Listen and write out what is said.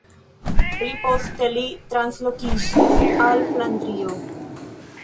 Pli poste li translokiĝis al Flandrio.